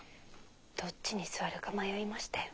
どっちに座るか迷いましたよ。